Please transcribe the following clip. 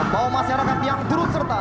bahwa masyarakat yang turut serta